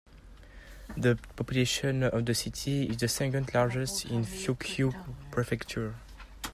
The population of the city is the second largest in Fukui Prefecture.